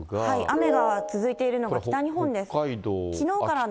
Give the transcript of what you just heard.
雨が続いているのが北日本です。